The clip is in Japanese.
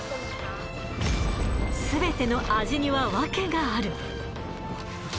全ての味には訳がある。